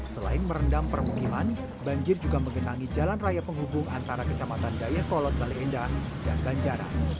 selain merendam permukiman banjir juga mengenangi jalan raya penghubung antara kecamatan dayakolot baleendah dan banjaran